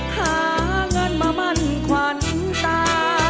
หาเงินมามั่นขวัญตา